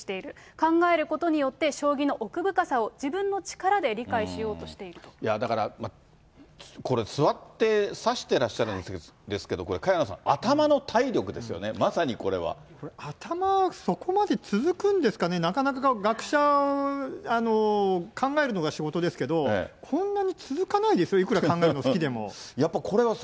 考えることによって、将棋の奥深さを自分の力で理解しようとしてだからこれ、座って指してらっしゃるんですけど、これ、萱野さん、頭の体力ですよね、まさにこれ、頭、そこまで続くんですかね、なかなか学者は考えるのが仕事ですけど、こんなに続かないですよ、いくら考えるの好きでも。